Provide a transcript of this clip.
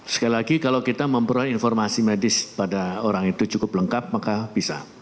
sekali lagi kalau kita memperoleh informasi medis pada orang itu cukup lengkap maka bisa